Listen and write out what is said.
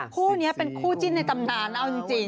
คู่นี้เป็นคู่จิ้นในตำนานเอาจริง